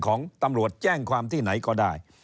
ของตำรวจแจ้งความที่ไหนก็ได้